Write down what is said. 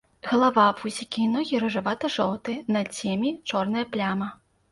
Галава, вусікі і ногі рыжавата-жоўтыя, на цемі чорная пляма.